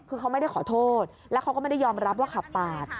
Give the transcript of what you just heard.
คือเขาไม่ได้ขอโทษแล้วเขาก็ไม่ได้ยอมรับว่าขับปาด